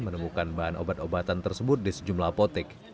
menemukan bahan obat obatan tersebut di sejumlah apotek